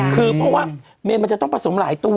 คือเพราะว่าเมนมันจะต้องผสมหลายตัว